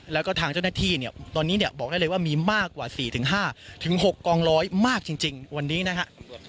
แล้วก็ทางเจ้าหน้าที่เนี่ยตอนนี้เนี่ยบอกได้เลยว่ามีมากกว่า๔๕๖กองร้อยมากจริงวันนี้นะครับ